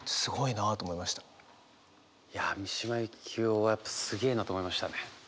いや三島由紀夫はやっぱすげえなと思いましたね。